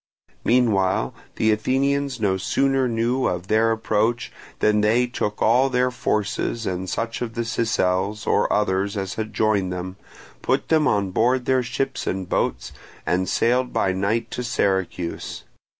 Meanwhile the Athenians no sooner knew of their approach than they took all their forces and such of the Sicels or others as had joined them, put them on board their ships and boats, and sailed by night to Syracuse.